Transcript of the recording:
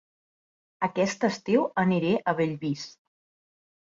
Aquest estiu aniré a Bellvís